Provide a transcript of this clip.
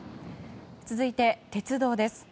続いて、鉄道です。